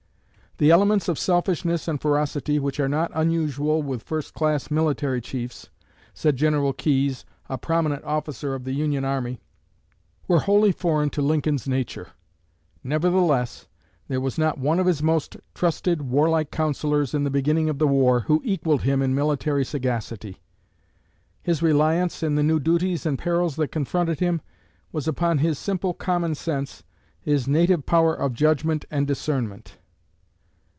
"The elements of selfishness and ferocity which are not unusual with first class military chiefs," said General Keyes, a prominent officer of the Union army, "were wholly foreign to Lincoln's nature. Nevertheless, _there was not one of his most trusted warlike counselors in the beginning of the war who equaled him in military sagacity_." His reliance, in the new duties and perils that confronted him, was upon his simple common sense, his native power of judgment and discernment.